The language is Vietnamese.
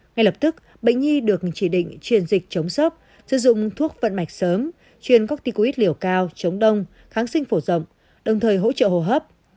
ngay lập tức bệnh nhi được chỉ định truyền dịch chống sốp sử dụng thuốc vận mạch sớm truyền các ticoid liều cao chống đông kháng sinh phổ rộng đồng thời hỗ trợ hồ hấp